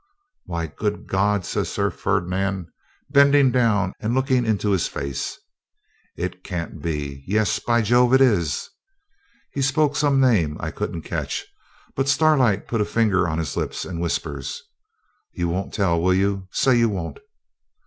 'Why, good God!' says Sir Ferdinand, bending down, and looking into his face. 'It can't be; yes, by Jove, it is ' He spoke some name I couldn't catch, but Starlight put a finger on his lips, and whispers 'You won't tell, will you? Say you won't?'